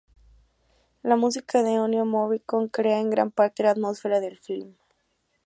La música de Ennio Morricone crea en gran parte la atmósfera del film.